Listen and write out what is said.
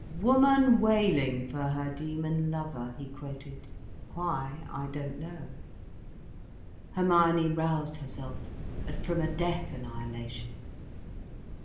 "'Woman wailing for her demon lover'—" he quoted—"why, I don't know." Hermione roused herself as from a death—annihilation.